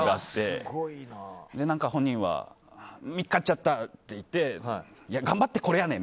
本人はみっかっちゃった！って言っていや、頑張ってこれやねん！